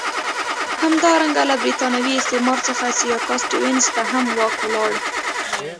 همدارنګه له برېتانوي استعمار څخه سیاکا سټیونز ته هم واک ولاړ.